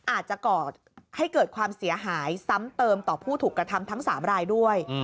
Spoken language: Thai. ก่อให้เกิดความเสียหายซ้ำเติมต่อผู้ถูกกระทำทั้ง๓รายด้วย